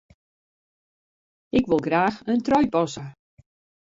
Ik wol graach in trui passe.